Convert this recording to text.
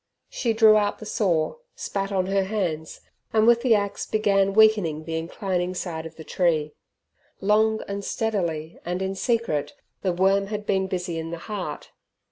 She drew out the saw, spat on her hands, and with the axe began weakening the inclining side of the tree. Long and steadily and in secret the worm had been busy in the heart.